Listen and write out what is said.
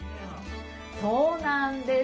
そうなんです。